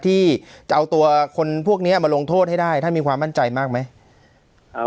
ที่จะเอาตัวคนพวกนี้มาลงโทษให้ได้ท่านมีความมั่นใจมากไหม